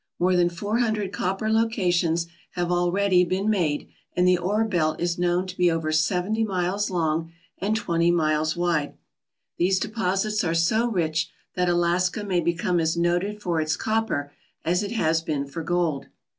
More than four hundred copper locations have already been made, and the ore belt is known to be over seventy miles long and twenty miles wide. These deposits are so rich that Alaska may become as noted for its copper as it has been for gold.